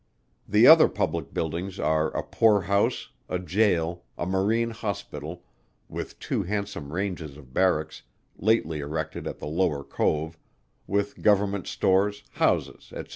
The other public buildings are a Poor House, a Gaol, a Marine Hospital, with two handsome ranges of Barracks lately erected at the Lower Cove, with Government Stores, Houses, &c.